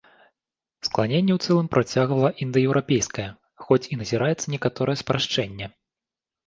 Скланенне ў цэлым працягвала індаеўрапейскае, хоць і назіраецца некаторае спрашчэнне.